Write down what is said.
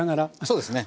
そうですね。